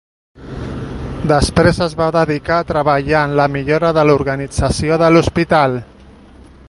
Després es va dedicar a treballar en la millora de l'organització de l'hospital.